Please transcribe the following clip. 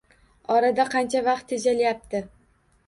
Orada qancha vaqt tejalyapti.